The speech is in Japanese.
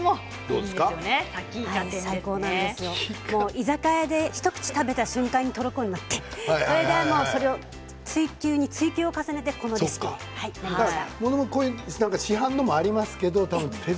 居酒屋で一口食べた瞬間にとりこになってしまって追求に追求を重ねてこのようになりました。